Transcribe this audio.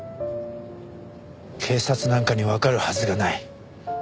警察なんかにわかるはずがない。